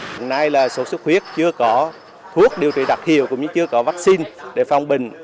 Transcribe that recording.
hôm nay là sốt xuất huyết chưa có thuốc điều trị đặc hiệu cũng như chưa có vaccine để phòng bệnh